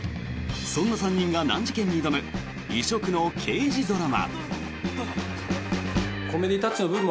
そんな３人が難事件に挑む異色の刑事ドラマ。